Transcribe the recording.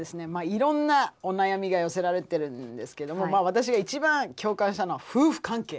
いろんなお悩みが寄せられてるんですけどもまあ私が一番共感したのは夫婦関係。